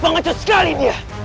pengacau sekali dia